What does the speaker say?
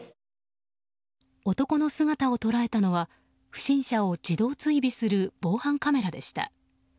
男の姿を捉えたのは不審者を自動追尾する防犯カメラでした。